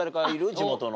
地元の。